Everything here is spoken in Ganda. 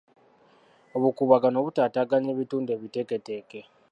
Obukuubagano butaataaganya ebitundu ebiteeketeeke.